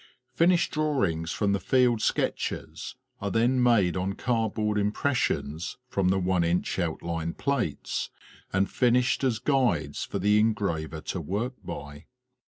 Finished drawings from the field sketches are then made on cardboard impressions from the one inch outline plates, and finished as guides for the engraver to work by.